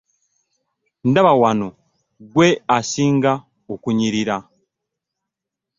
Ndaba wano ggwe osinga okunyirira.